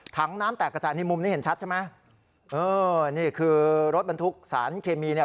ถังน้ำแตกกระจายในมุมนี้เห็นชัดใช่ไหมเออนี่คือรถบรรทุกสารเคมีเนี่ย